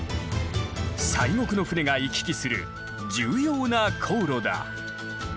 西国の船が行き来する重要な航路だ。